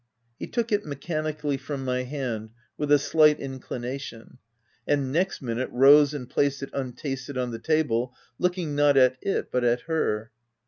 He took it mechanically from my hand, with a slight inclination, and, next minute, rose and placed it untasted on the table, looking, not at it, but at her.